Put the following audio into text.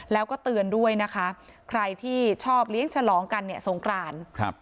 แล้วก็เตือนด้วยนะคะใครที่ชอบเลี้ยงฉลองกันเนี่ยสงกรานครับ